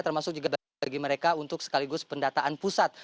termasuk juga bagi mereka untuk sekaligus pendataan pusat